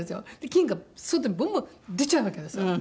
金魚が外にボンボン出ちゃうわけですよ。